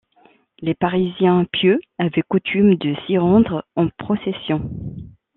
Les Parisiens pieux avaient coutume de s'y rendre en procession.